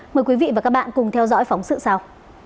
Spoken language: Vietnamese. mời quý vị và các bạn cùng theo dõi phóng sự sau